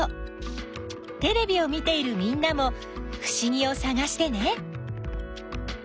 テレビを見ているみんなもふしぎをさがしてね！